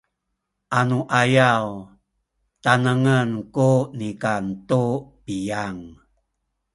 anuayaw tanengen ku nikan tu piyang